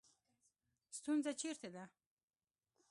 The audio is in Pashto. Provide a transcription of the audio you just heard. ستونزه چېرته ده